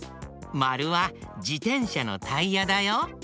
まるはじてんしゃのタイヤだよ。